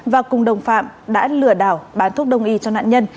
và cùng đồng phạm đã lừa đảo bán thuốc đông y cho nạn nhân